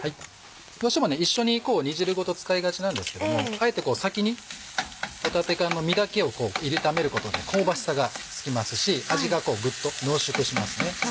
どうしても一緒に煮汁ごと使いがちなんですけどもあえて先に帆立缶の身だけを炒めることで香ばしさがつきますし味がグッと濃縮します。